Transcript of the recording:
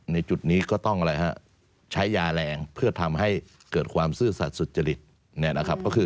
ในจุดนี้ก็ต้องใช้ยาแรงเพื่อทำให้เกิดความซื่อสัตว์สุจริต